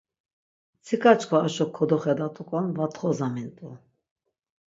Mtsika çkva aşo kodoxedat̆uk̆on vatxozamint̆u.